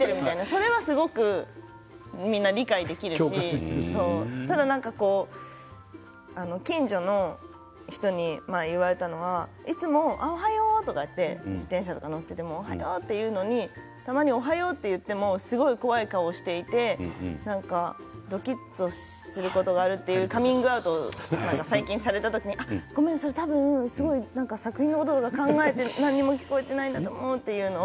それはみんな理解できるしただ近所の人に言われたのはいつも、おはようって自転車に乗っていてもおはようって言うのにたまに、おはようって言ってもすごい怖い顔してどきっとすることがあるというカミングアウトを最近された時に、ごめん、それ私、作品のことを考えて何も聞こえていないんだと思うというのを。